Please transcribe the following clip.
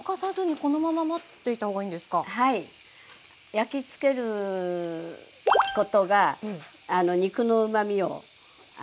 焼きつけることが肉のうまみをあの何て言うんだ。